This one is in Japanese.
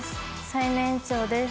最年長です